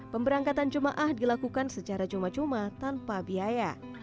pemberangkatan jemaah dilakukan secara cuma cuma tanpa biaya